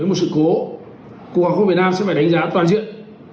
với một sự cố cục học hội việt nam sẽ phải đánh giá toàn diện